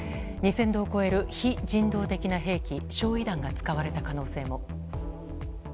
２０００度を超える非人道的な兵器焼夷弾が使われた可能性も。